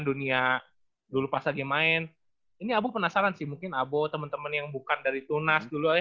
dunia dulu pas lagi main ini abu penasaran sih mungkin abu teman teman yang bukan dari tunas dulu aja